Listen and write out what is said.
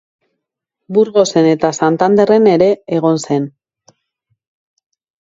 Burgosen eta Santanderren ere egon zen.